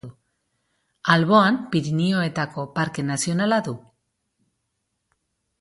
Alboan, Pirinioetako Parke Nazionala du.